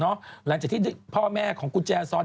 หลังจากที่พ่อแม่ของกุญแจซอน